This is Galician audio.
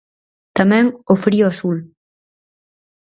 Tamén "O frío azul".